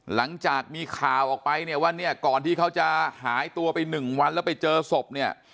หลังจากมีข่าวออกไปว่าก่อนที่เขาจะหายตัวไป๑วันแล้วไปเจอศพ